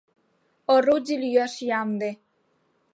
Орудий лӱяш ямде.